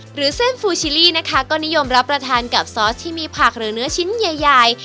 หรือเส้นฟูชิลี่นะคะก็นิยมรับประทานกับซอสที่มีผักหรือเนื้อชิ้นใหญ่